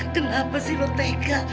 kenapa sih lottega